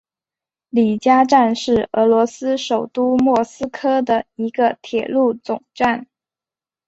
里加站是俄罗斯首都莫斯科的一个铁路总站。